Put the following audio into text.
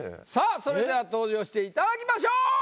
さぁそれでは登場していただきましょう。